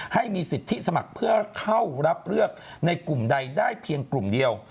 ให้มีสิทธิสมัครเพื่อเข้ารับเลือกในกลุ่มใดได้เพียงกลุ่มเดียว